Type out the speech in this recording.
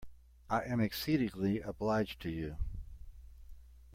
I am exceedingly obliged to you.